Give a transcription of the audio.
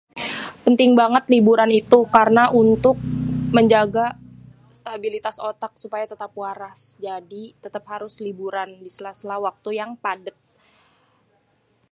penting banget liburan itu karna untuk menjaga stabilitas otak supaya tetap waras jadi tetap harsu liburan disela-sela waktu yang padèt